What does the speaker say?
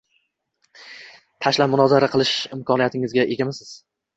tashlab munozara qilish imkoniyatiga egamizmi?